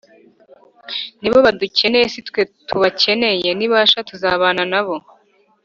Nibo badukeneye sitwe tubakeneye nibasha tuzabana nabo